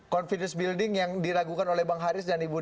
confidence building yang diragukan oleh bang haris dan ibu